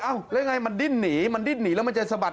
แล้วไงมันดิ้นหนีมันดิ้นหนีแล้วมันจะสะบัด